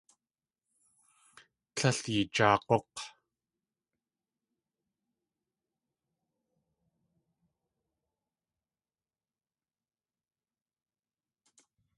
Líl eejáag̲uk̲!